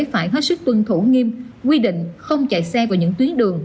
phải hết sức tuân thủ nghiêm quy định không chạy xe vào những tuyến đường